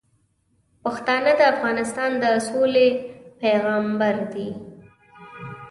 پښتانه د افغانستان د سولې پیغامبر دي.